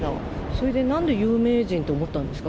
それでなんで有名人って思ったんですか？